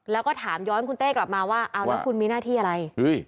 แล้วก็ถามย้อนคุณเต้กลับมาว่าเอาแล้วคุณมีหน้าที่อะไร